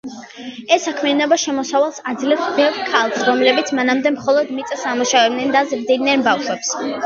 ეს საქმიანობა შემოსავალს აძლევს ბევრ ქალს, რომლებიც მანამდე მხოლოდ მიწას ამუშავებდნენ და ზრდიდნენ ბავშვებს.